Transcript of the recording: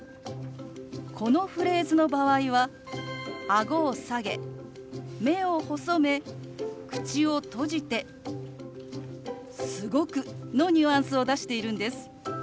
このフレーズの場合はあごを下げ目を細め口を閉じて「すごく」のニュアンスを出しているんです。